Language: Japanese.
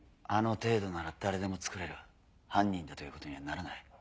あの程度なら誰でも作れる犯人だということにはならない。